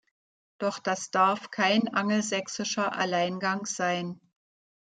Doch das darf kein angelsächsischer Alleingang sein.